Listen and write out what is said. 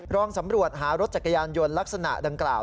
ลองสำรวจหารถจักรยานยนต์ลักษณะดังกล่าว